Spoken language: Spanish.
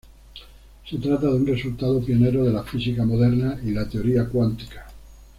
Se trata de un resultado pionero de la física moderna y la teoría cuántica.